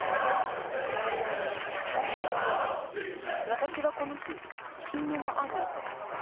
私はこの日親友のアンナと会った。